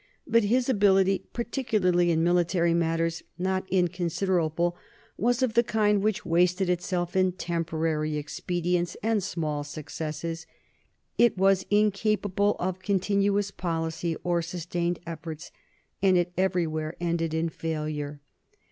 But his ability, particularly in military matters not inconsiderable, was of the kind which wasted itself in temporary expedients and small successes ; it was incapable of continuous policy or sus tained efforts; and it everywhere ended in failure.